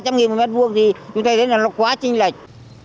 các nghìn một m hai thì chúng ta thấy là nó quá trinh lệch